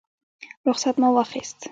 رخصت مو واخیست.